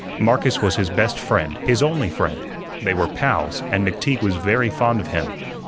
Marcus was his best friend, his only friend. They were "pals" and McTeague was very fond of him.